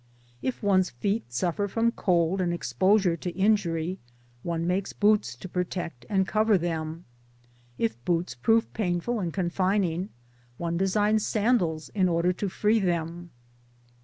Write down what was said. If one's feet suffer from cold and exposure to injury one makes boots to protect and cover them. If boots prove painful and confining] one designs sandals in order to, free them.